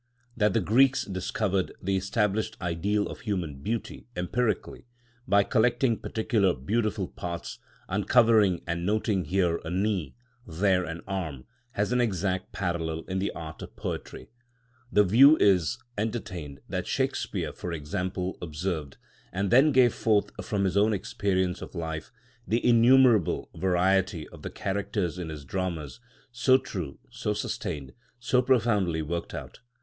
p. 384) that the Greeks discovered the established ideal of human beauty empirically, by collecting particular beautiful parts, uncovering and noting here a knee, there an arm, has an exact parallel in the art of poetry. The view is entertained, that Shakespeare, for example, observed, and then gave forth from his own experience of life, the innumerable variety of the characters in his dramas, so true, so sustained, so profoundly worked out.